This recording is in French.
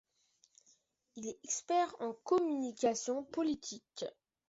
Il est expert en communication politique.